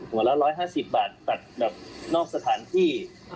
ละ๑๕๐บาทตัดแบบนอกสถานที่